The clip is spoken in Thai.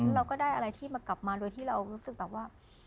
เราก็ได้อะไรที่มันกลับมาโดยที่เรารู้สึกแบบว่า